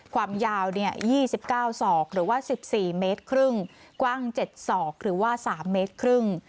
กว้าง๗ศอกหรือว่า๓เมตรครึ่ง